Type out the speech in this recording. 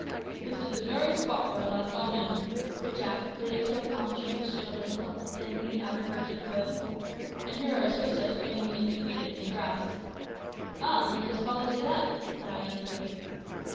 "This is the very spot where I last saw him," said Jack, leading me to a palm tree which stood a little within the outer verge of the wood; "and here are his footsteps faintly indicated on the grass." "Ah! then let us follow these up," said I eagerly.